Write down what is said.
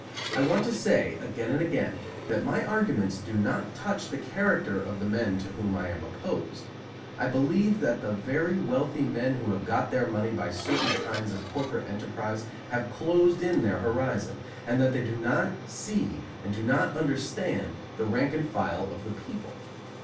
I want to say, again and again, that my arguments do not touch the character of the men to whom I am opposed. I believe that the very wealthy men who have got their money by certain kinds of corporate enterprise have closed in their horizon, and that they do not see and do not understand the rank and file of the people.